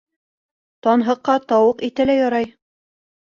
Танһыҡҡа тауыҡ ите лә ярай.